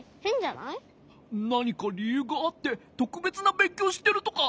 なにかりゆうがあってとくべつなべんきょうをしてるとか？